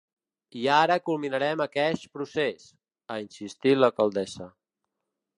I ara culminarem aqueix procés, ha insistit l’alcaldessa.